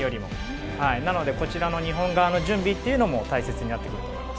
なのでこちらの日本側の準備も大切になってくると思います。